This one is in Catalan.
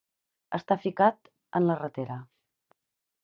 Estar ficat en la ratera.